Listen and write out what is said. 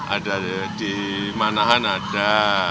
ada di manahan ada